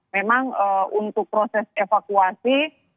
memang untuk proses evakuasi